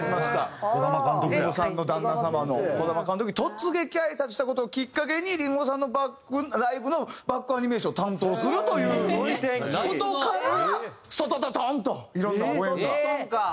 林檎さんの旦那様の児玉監督に突撃挨拶した事をきっかけに林檎さんのバックライブのバックアニメーションを担当するという事からストトトトーンといろんなご縁が。